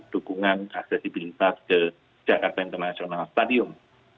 dukungan aksesibilitas ke jakarta international stadium